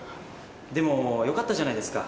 でもよかったじゃないですか。